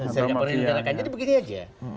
serikat perlindungan jadi begitu saja